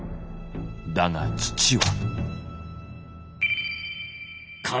だが父は。